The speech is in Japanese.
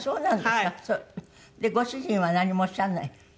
ご主人はなんにもおっしゃらない？